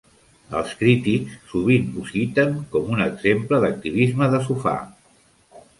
Els crítics sovint ho citen com un exemple d'activisme de sofà.